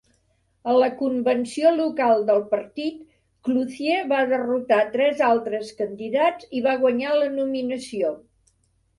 A la convenció local del partit, Clouthier va derrotar tres altres candidats i va guanyar la nominació.